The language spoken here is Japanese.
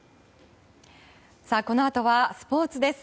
さあ、このあとはスポーツです。